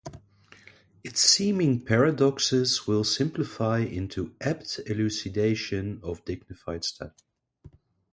Its seeming paradoxes will simplify into apt elucidation of dignified study.